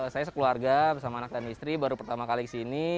saya sekeluarga bersama anak dan istri baru pertama kali kesini